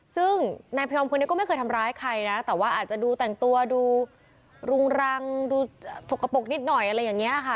ซึ่งนายพยอมคนนี้ก็ไม่เคยทำร้ายใครนะแต่ว่าอาจจะดูแต่งตัวดูรุงรังดูสกปรกนิดหน่อยอะไรอย่างนี้ค่ะ